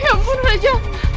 ya ampun raja